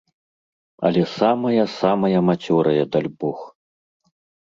Але самая, самая мацёрая, дальбог.